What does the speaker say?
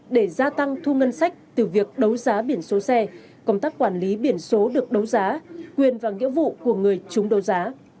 để gia tăng thu ngân sách từ việc đấu giá biển số xe công tác quản lý biển số được đấu giá quyền và nghĩa vụ của người chúng đấu giá